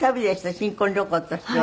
新婚旅行としてはね。